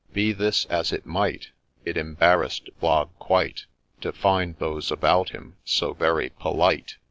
— Be this as it might, It embarrass'd Blogg quite To find those about him so very polite.